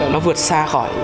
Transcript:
nó vượt xa khỏi